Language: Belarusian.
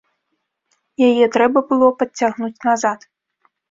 Яе трэба было падцягнуць назад.